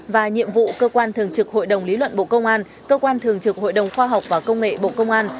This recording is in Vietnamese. và nhiệm vụ cơ quan thường trực hội đồng lý luận bộ công an cơ quan thường trực hội đồng khoa học và công nghệ bộ công an